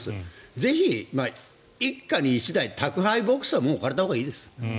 ぜひ１家に１台、宅配ボックスは置かれたほうがいいです。